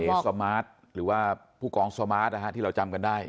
สมาร์ทหรือว่าผู้กองสมาร์ทนะฮะที่เราจำกันได้